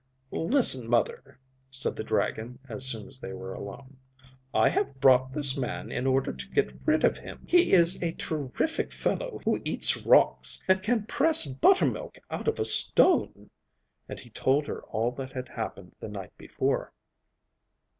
'Listen, mother,' said the dragon as soon as they were alone, 'I have brought this man in order to get rid of him. He is a terrific fellow who eats rocks, and can press buttermilk out of a stone,' and he told her all that had happened the night before.